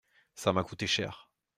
Ça m’a coûté cher.